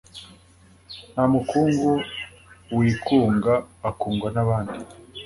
nta mukungu wikunga akungwa n'abandi